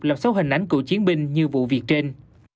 làm xấu hình ảnh cựu chiến binh như vụ việc trên